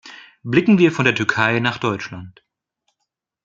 Blicken wir von der Türkei nach Deutschland.